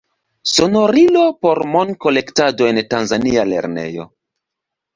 Sonorilo por monkolektado en tanzania lernejo.